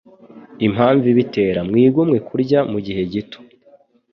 impamvu ibitera. Mwigomwe kurya mu gihe gito,